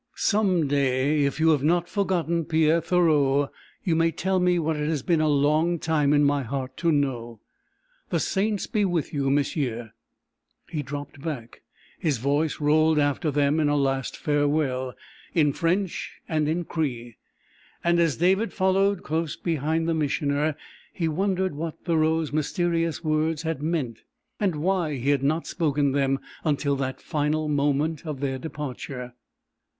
Some day, if you have not forgotten Pierre Thoreau, you may tell me what it has been a long time in my heart to know. The saints be with you, m'sieu!" He dropped back. His voice rolled after them in a last farewell, in French, and in Cree, and as David followed close behind the Missioner he wondered what Thoreau's mysterious words had meant, and why he had not spoken them until that final moment of their departure.